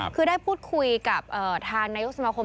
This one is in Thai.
คือได้พูดคุยกับทางนายกสมาคม